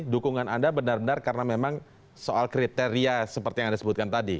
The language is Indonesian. dukungan anda benar benar karena memang soal kriteria seperti yang anda sebutkan tadi